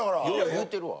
言うてるわ。